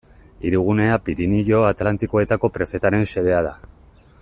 Hirigunea Pirinio Atlantikoetako prefetaren xedea da.